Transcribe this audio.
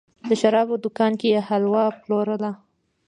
د شرابو دوکان کې یې حلوا پلورله.